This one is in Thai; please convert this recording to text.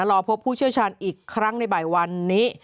รอพบผู้เชี่ยวชาญอีกครั้งในบ่ายวันนี้